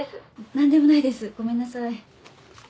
何でもないですごめんなさい。